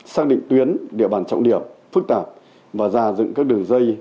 xác định tuyến địa bàn trọng điểm phức tạp và ra dựng các đường dây